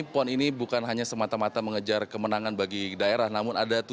pon ke sembilan belas jawa barat